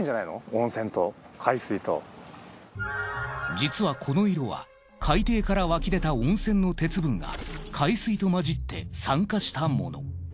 実はこの色は海底から湧き出た温泉の鉄分が海水と混じって酸化したもの。